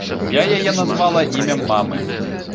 Я яе назвала імем мамы.